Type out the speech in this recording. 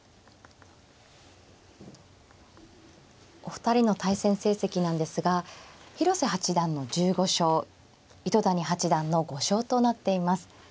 お二人の対戦成績なんですが広瀬八段の１５勝糸谷八段の５勝となっています。